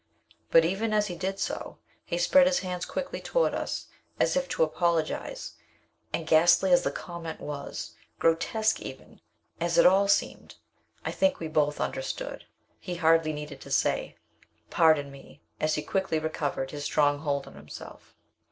But even as he did so, he spread his hands quickly toward us as if to apologize, and ghastly as the comment was, grotesque even, as it all seemed, I think we both understood. He hardly needed to say, "Pardon me," as he quickly recovered his strong hold on himself.